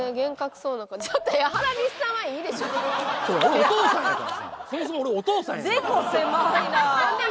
そもそも俺お父さんやから。